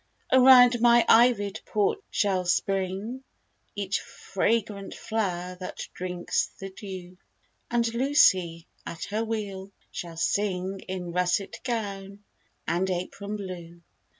Around my ivy'd porch shall spring Each fragrant flower that drinks the dew; And Lucy, at her wheel, shall sing In russet gown and apron blue.